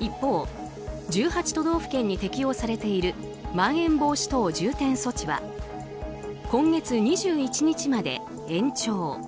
一方、１８都道府県に適用されているまん延防止等重点措置は今月２１日まで延長。